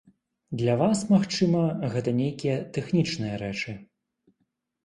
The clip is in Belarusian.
Для вас, магчыма, гэта нейкія тэхнічныя рэчы.